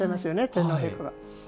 天皇陛下が。